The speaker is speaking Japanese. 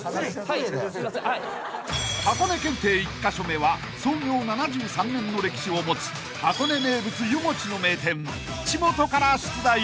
［はこね検定１カ所目は創業７３年の歴史を持つ箱根名物湯もちの名店ちもとから出題］